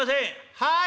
「はい！